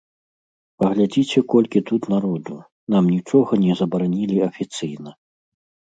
Паглядзіце, колькі тут народу, нам нічога не забаранілі афіцыйна.